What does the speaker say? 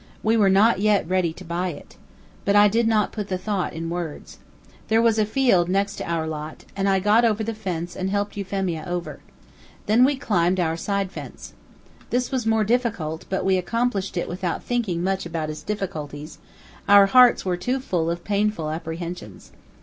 We were not yet ready to buy it. But I did not put the thought in words. There was a field next to our lot, and I got over the fence and helped Euphemia over. Then we climbed our side fence. This was more difficult, but we accomplished it without thinking much about its difficulties; our hearts were too full of painful apprehensions.